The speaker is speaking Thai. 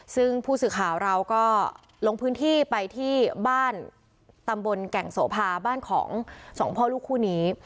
ซึ่งผู้สื่อข่าวเราก็ลงพื้นที่ไปที่บ้านตำบลแก่งโสภาบ้านของสองพ่อลูกคู่นี้